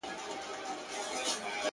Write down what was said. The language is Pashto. هغه خو ټوله ژوند تاته درکړی وو په مينه,